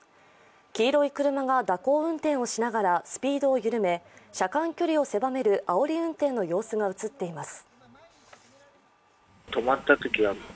黄色い車が蛇行運転をしながらスピードを緩め車間距離を狭めるあおり運転の様子が映っています。